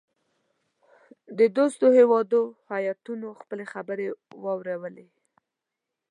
د دوستو هیوادو هیاتونو خپلي خبرې واورلې.